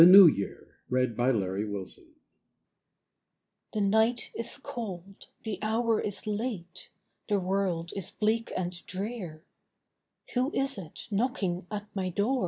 NEW YEAR MORTAL: 'The night is cold, the hour is late, the world is bleak and drear; Who is it knocking at my door?